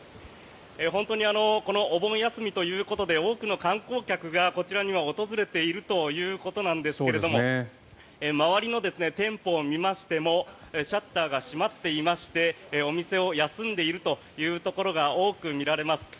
本当にこのお盆休みということで多くの観光客がこちらには訪れているということなんですが周りの店舗を見ましてもシャッターが閉まっていましてお店を休んでいるというところが多く見られます。